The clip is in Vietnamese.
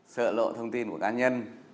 sợ lộ thông tin của đa chế